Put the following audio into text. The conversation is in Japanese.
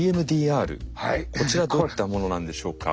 こちらどういったものなんでしょうか？